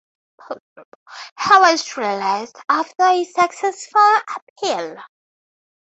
He was released after a successful appeal.